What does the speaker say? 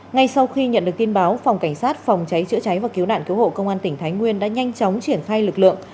ngay sau khi nhận được tin báo phòng cảnh sát phòng cháy chữa cháy và cứu nạn cứu hộ công an tỉnh thái nguyên đã nhanh chóng triển khai lực lượng